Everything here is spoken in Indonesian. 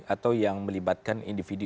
atau yang melibatkan individu